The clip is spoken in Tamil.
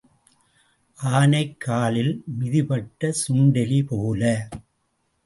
ஆனைக் காலில் மிதிபட்ட சுண்டெலி போல.